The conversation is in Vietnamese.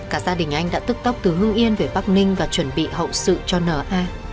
cả gia đình anh đã tức tóc từ hưng yên về bắc ninh và chuẩn bị hậu sự cho n a